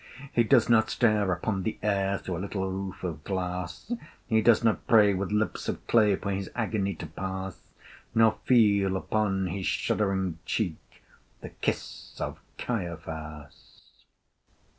He does not stare upon the air Through a little roof of glass; He does not pray with lips of clay For his agony to pass; Nor feel upon his shuddering cheek The kiss of Caiaphas.